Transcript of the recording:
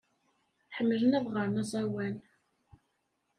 Ḥemmlen ad ɣren aẓawan.